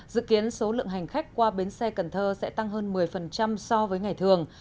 dự kiến số lượng hành khách qua bến xe cần thơ sẽ tăng hơn một mươi so với ngày thường